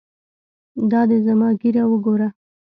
دا دى زما ږيره وګوره.